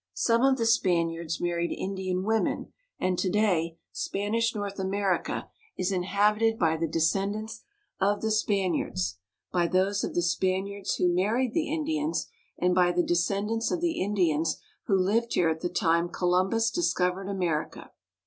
Some of the Spaniards married Indian women, and to day Spanish North America is inhabited by the descendants of the Spaniards, by those of the Spaniards who married the Indians, and by the descendants of the Indians who lived here at the time Columbus discovered America.